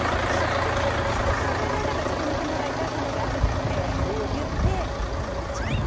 ちょっとお願いだからちょっと見てもらいたいものがあるって言ってちらっとこう。